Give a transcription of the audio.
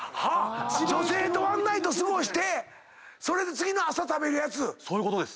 女性とワンナイト過ごしてそれで次の朝食べるやつ⁉そういうことです。